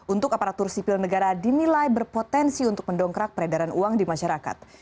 untuk aparatur sipil negara dinilai berpotensi untuk mendongkrak peredaran uang di masyarakat